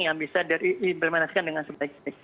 yang bisa diimplementasikan dengan sebaiknya